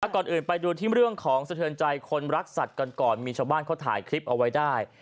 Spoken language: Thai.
ก่อนอื่นไปดูที่เรื่องของสะเทือนใจคนรักสัตว์กันก่อนมีชาวบ้านเขาถ่ายคลิปเอาไว้ได้